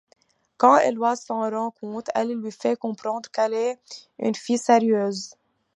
Quand Eloise s'en rend compte, elle lui fait comprendre qu'elle est une fille sérieuse.